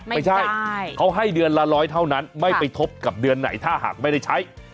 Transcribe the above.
ไม่ใช่เขาให้เดือนละร้อยเท่านั้นไม่ไปทบกับเดือนไหนถ้าหากไม่ได้ใช้